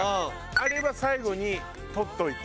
あれは最後にとっておいて。